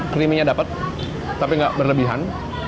creamingnya dapat tapi nggak berlebihan